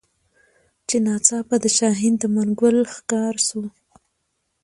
چي ناڅاپه د شاهین د منګول ښکار سو